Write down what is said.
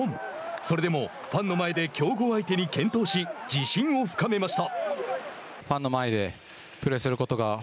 それでもファンの前で強豪相手に健闘し自信を深めました。